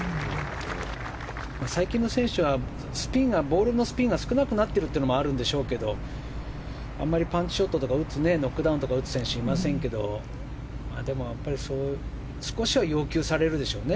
最近の選手はボールのスピンが少なくなってるのもあるんでしょうけどあまり、パンチショットを打つあと、ノックダウンとか打つ選手はいませんけど少しは要求されるでしょうね